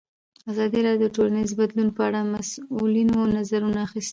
ازادي راډیو د ټولنیز بدلون په اړه د مسؤلینو نظرونه اخیستي.